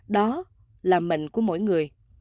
đó là mệnh của mỗi người